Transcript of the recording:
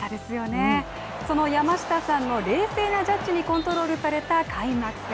その山下さんの冷静なジャッジにコントロールされた開幕戦。